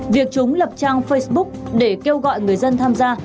việc chúng lập trang facebook để kêu gọi người dân tham gia